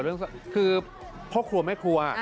คือพ่อครัวแม่ครัว